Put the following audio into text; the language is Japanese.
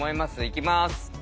いきます。